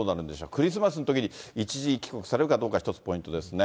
クリスマスのときに一時帰国されるかどうか、一つ、ポイントですね。